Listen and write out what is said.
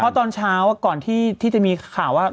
เพราะตอนเช้าก่อนที่จะมีข่าวว่า